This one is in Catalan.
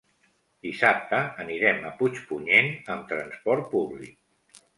Dissabte anirem a Puigpunyent amb transport públic.